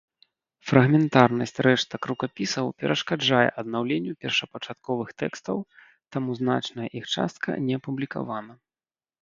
Фрагментарнасць рэштак рукапісаў перашкаджае аднаўленню першапачатковых тэкстаў, таму значная іх частка не апублікавана.